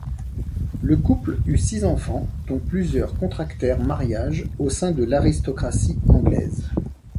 Le couple eut six enfants dont plusieurs contractèrent mariage au sein de l'aristocratie anglaise.